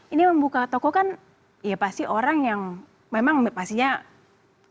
ini membuka toko kan ya pasti orang yang memang pastinya kita tidak mungkin berani